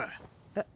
えっ？